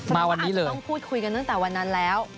มาวันนี้เลยคือว่าอาจจะต้องพูดคุยกันตั้งแต่วันนั้นแล้ว